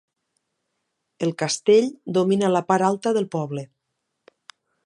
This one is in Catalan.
El Castell domina la part alta del poble.